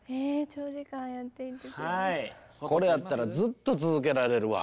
これやったらずっと続けられるわ。